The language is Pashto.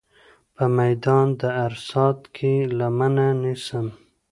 په میدان د عرصات کې لمنه نیسم.